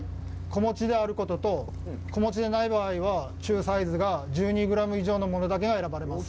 子持ちであることと、子持ちでない場合は、中サイズで１２グラム以上のものだけが選ばれます。